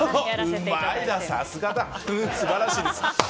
うまいな、さすがだ！素晴らしいです。